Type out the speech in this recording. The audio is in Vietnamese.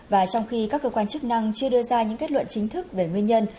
và trong khi các cơ quan chức năng chưa đưa ra những kết luận chính thức về nguyên nhân